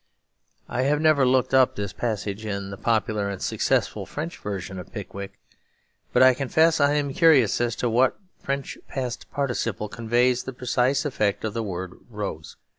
I have never looked up this passage in the popular and successful French version of Pickwick; but I confess I am curious as to what French past participle conveys the precise effect of the word 'rose.'